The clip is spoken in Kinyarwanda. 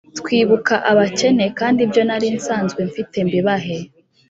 twibuka abakene kandi ibyo nari nsanzwe mfite mbibahe